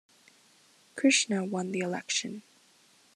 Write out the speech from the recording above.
Krishna won the election.